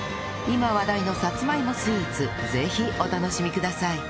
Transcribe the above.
今話題のさつまいもスイーツぜひお楽しみください